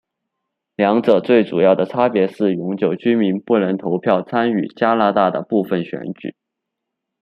两者最主要的差别是永久居民不能投票参与加拿大的部分选举。